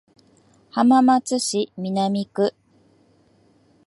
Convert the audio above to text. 浜松市南区